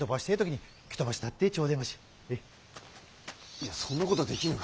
いやそんなことはできぬが。